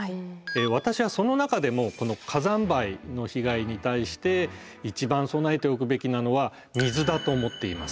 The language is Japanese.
私はその中でも火山灰の被害に対して一番備えておくべきなのは水だと思っています。